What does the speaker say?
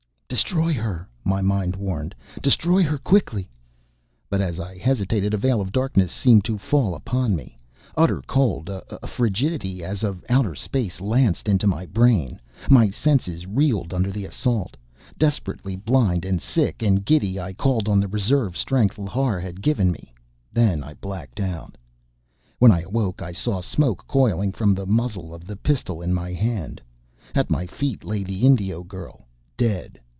"Destroy her!" my mind warned. "Destroy her! Quickly!" But as I hesitated a veil of darkness seemed to fall upon me. Utter cold, a frigidity as of outer space, lanced into my brain. My senses reeled under the assault. Desperately, blind and sick and giddy, I called on the reserve strength Lhar had given me. Then I blacked out.... When I awoke I saw smoke coiling up from the muzzle of the pistol in my hand. At my feet lay the Indio girl, dead.